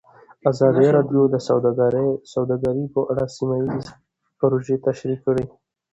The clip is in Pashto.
ازادي راډیو د سوداګري په اړه سیمه ییزې پروژې تشریح کړې.